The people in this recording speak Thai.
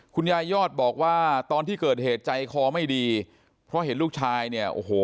ยอดบอกว่าตอนที่เกิดเหตุใจคอไม่ดีเพราะเห็นลูกชายเนี่ยโอ้โห